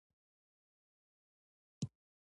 څوکۍ ته یې تکیه ووهل، جګړن موږ ته وویل: جبار خان.